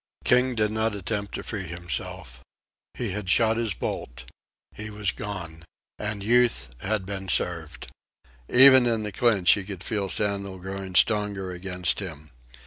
King did not attempt to free himself. He had shot his bolt. He was gone. And Youth had been served. Even in the clinch he could feel Sandel growing stronger against him.